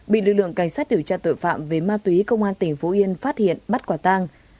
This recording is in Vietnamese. bị lực lượng cảnh sát điều tra tội phạm về ma túy công an tỉnh phú yên phát hiện bắt quả tang